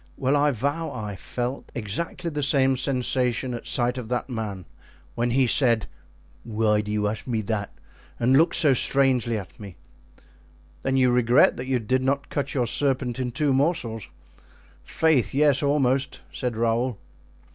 Well, I vow I felt exactly the same sensation at sight of that man when he said, 'Why do you ask me that?' and looked so strangely at me." "Then you regret that you did not cut your serpent in two morsels?" "Faith, yes, almost," said Raoul.